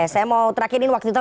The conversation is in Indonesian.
saya mau terakhirin waktu itu